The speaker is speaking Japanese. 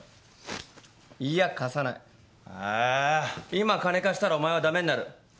今金貸したらお前は駄目になる。